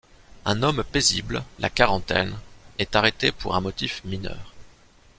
Un homme paisible, la quarantaine, est arrêté pour un motif mineur.